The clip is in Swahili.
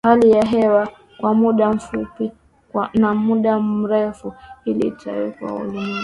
hali ya hewa kwa muda mfupi na muda mrefu Hili litaweka ulimwengu